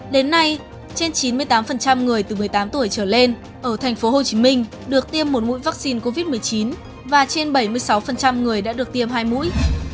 đến nay trên chín mươi tám người từ một mươi tám tuổi trở lên ở tp hcm được tiêm một mũi vaccine covid một mươi chín và trên bảy mươi sáu người đã được tiêm hai mũi